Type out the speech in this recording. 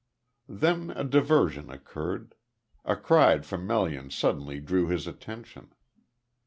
Then a diversion occurred. A cry from Melian suddenly drew his attention.